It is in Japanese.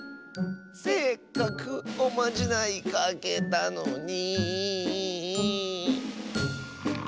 せっかくおまじないかけたのに。